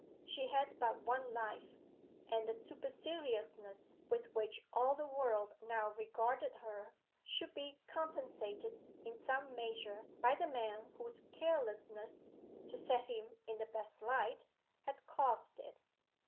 She had but one life, and the superciliousness with which all the world now regarded her should be compensated in some measure by the man whose carelessness to set him in the best light had caused it.